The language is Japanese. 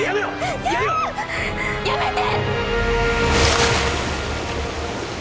やめて！